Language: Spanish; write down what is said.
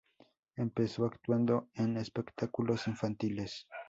Empezó actuando en espectáculos infantiles.